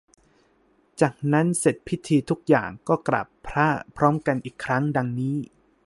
จากนั้นเสร็จพิธีทุกอย่าง ก็กราบพระพร้อมกันอีกครั้ง ดังนี้